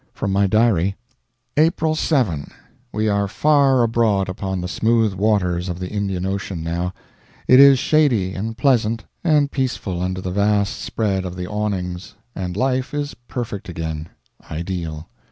From my diary: April 7. We are far abroad upon the smooth waters of the Indian Ocean, now; it is shady and pleasant and peaceful under the vast spread of the awnings, and life is perfect again ideal.